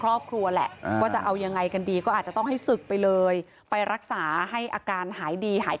ก็อาจจะให้กลับมาเมาทสุดใหม่นะคะนี้ค่ะถ้าอาการไม่ดีขึ้น